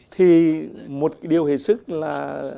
thì một điều hề sức là